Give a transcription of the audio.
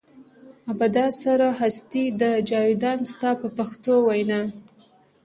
ابدا سره هستي ده جاویدان ستا په پښتو وینا.